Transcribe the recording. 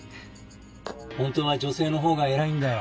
本当は女性の方が偉いんだよ。